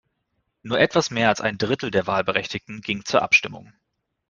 Nur etwas mehr als ein Drittel der Wahlberechtigten ging zur Abstimmung.